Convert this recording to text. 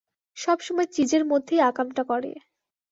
সবসময় চিজের মধ্যেই আকামটা করে।